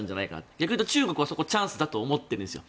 逆に言うと中国はそこをチャンスだと思っているんですよ。